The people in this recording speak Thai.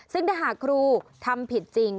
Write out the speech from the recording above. ซึ่งถ้าหากครูทำผิดจริง